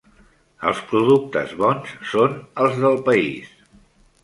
Els productes bons són els del país.